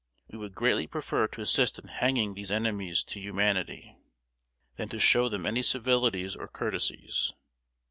We would greatly prefer to assist in hanging these enemies to humanity, than to show them any civilities or courtesies.